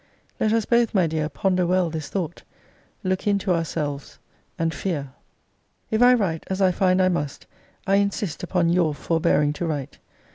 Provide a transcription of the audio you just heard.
Let us both, my dear, ponder well this thought: look into ourselves, and fear. If I write, as I find I must, I insist upon your forbearing to write.